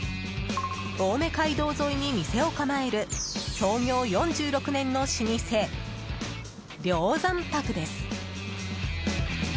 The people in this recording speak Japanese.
青梅街道沿いに店を構える創業４６年の老舗梁山泊です。